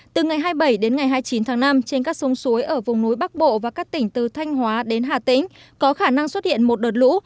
từ ngày hai mươi bảy đến ngày hai mươi chín tháng năm trên các sông suối ở vùng núi bắc bộ và các tỉnh từ thanh hóa đến hà tĩnh có khả năng xuất hiện một đợt lũ